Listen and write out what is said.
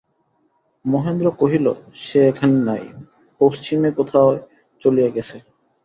মহেন্দ্র কহিল, সে এখানে নাই, পশ্চিমে কোথায় চলিয়া গেছে।